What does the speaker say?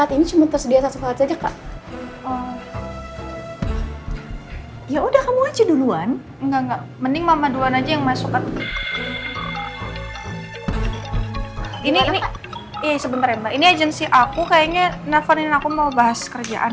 iya sebentar ya mbak ini agensi aku kayaknya nelfonin aku mau bahas kerjaan